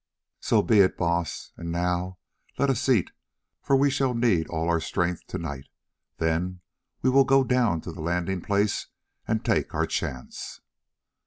"So be it, Baas, and now let us eat, for we shall need all our strength to night. Then we will go down to the landing place and take our chance."